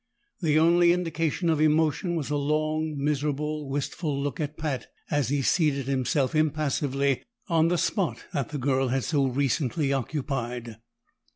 The only indication of emotion was a long, miserable, wistful look at Pat as he seated himself impassively on the spot that the girl had so recently occupied.